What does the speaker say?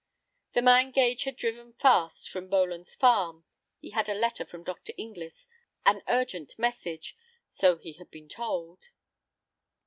The man Gage had driven fast from Boland's Farm. He had a letter from Dr. Inglis, an urgent message, so he had been told.